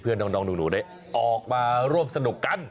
เพื่อน้องหนูได้ออกมาร่วมสนุกกัน